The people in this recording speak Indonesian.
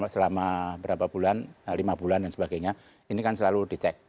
selama berapa bulan lima bulan dan sebagainya ini kan selalu dicek